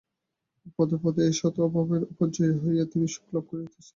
পদে পদে এই শত শত অভাবের উপর জয়ী হইয়া তিনি সুখ লাভ করিতেছিলেন।